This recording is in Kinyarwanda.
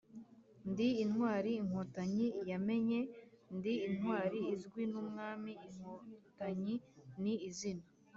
ndi intwari inkotanyi yamenye: ndi intwari izwi n’umwami inkotanyi ni izina